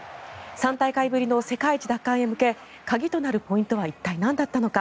３大会ぶりの世界一奪還へ向け鍵となるポイントは一体なんだったのか。